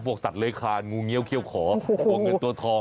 พวกสัตว์เลขางูเงี้ยวเขี้ยวขอบ่งเงินตัวทอง